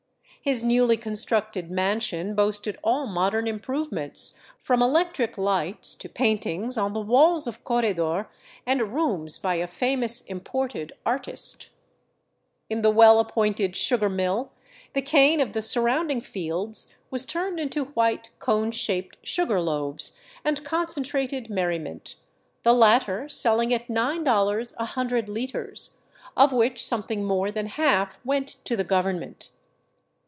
His newly constructed mansion boasted all mod ern improvements, from electric lights to paintings on the walls of corredor and rooms "by a famous imported artist." In the well 414 THE CITY OF THE SUN appointed sugar mill the cane of the surroundmg fields was turned into white, cone shaped sugar loaves and concentrated merriment, the latter selling at $9 a hundred liters, of which something more than half went to the government.